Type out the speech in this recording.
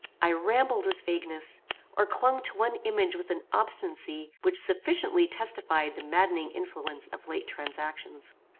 I rambled with vagueness, or clung to one image with an obstinacy which sufficiently testified the maddening influence of late transactions.